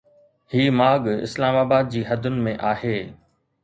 هي ماڳ اسلام آباد جي حدن ۾ آهي